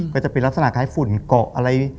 ก็จะเป็นลักษณะคล้ายฝุ่นเกาะอะไร